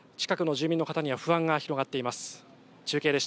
近くの住民の方には不安が広がっています。